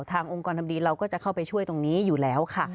องค์กรทำดีเราก็จะเข้าไปช่วยตรงนี้อยู่แล้วค่ะ